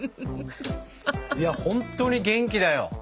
いやほんとに元気だよ。